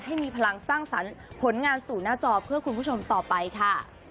ให้มีพลังสร้างสรรค์ผลงานสู่หน้าจอเพื่อคุณผู้ชมต่อไปค่ะ